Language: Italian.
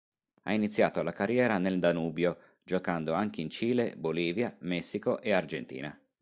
Ha iniziato la carriera nel Danubio, giocando anche in Cile, Bolivia, Messico e Argentina.